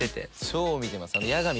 超見てます。